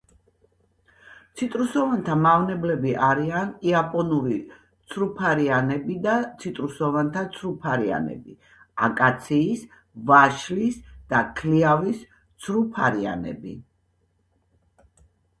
ციტრუსოვანთა მავნებლები არიან იაპონური ცრუფარიანები და ციტრუსოვანთა ცრუფარიანები, აკაციის, ვაშლის და ქლიავის ცრუფარიანები.